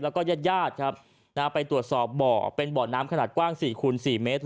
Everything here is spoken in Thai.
แล้วก็ญาติญาติครับไปตรวจสอบบ่อเป็นบ่อน้ำขนาดกว้าง๔คูณ๔เมตร